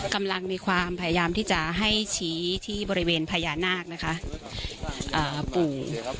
กำลังมีความพยายามที่จะให้ชี้ที่บริเวณพญานาคนะคะอ่าปู่